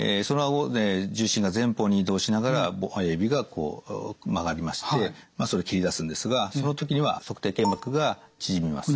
重心が前方に移動しながら５本指がこう曲がりましてそれで蹴り出すんですがその時には足底腱膜が縮みます。